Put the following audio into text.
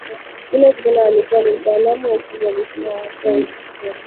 Yule kijana aliyekuwa na mtaalamu wa ufundi alisema kwa kuhamaki kuwa havifanani